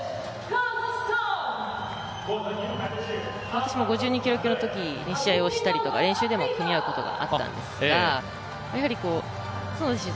私も５２キロ級のときに試合をしたりとか練習でも組み合うことがあったんですがやはり角田さん